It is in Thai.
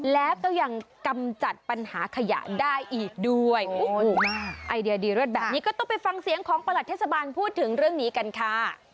แล้วก็ยังกำจัดปัญหาขยะได้อีกด้วยไอเดียดีเลิศแบบนี้ก็ต้องไปฟังเสียงของประหลัดเทศบาลพูดถึงเรื่องนี้กันค่ะ